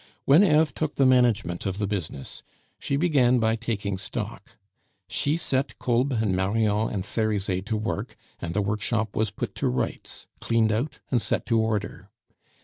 When Eve took the management of the business, she began by taking stock. She set Kolb and Marion and Cerizet to work, and the workshop was put to rights, cleaned out, and set in order.